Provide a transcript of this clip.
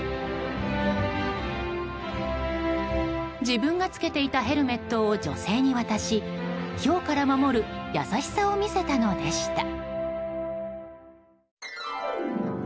自分が着けていたヘルメットを女性に渡しひょうから守る優しさを見せたのでした。